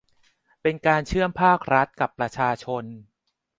เป็นการเชื่อมภาครัฐกับประชาชน